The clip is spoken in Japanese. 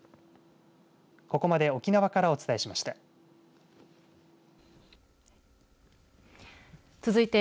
ここまで沖縄からお伝えしました。